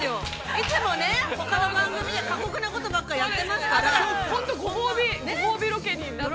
いつもね、ほかの番組で、過酷なことばっかりやっていますから、本当ご褒美ロケになって。